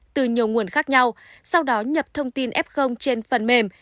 từ nhiều nguồn khác nhau sau đó nhập thông tin f trên phần mềm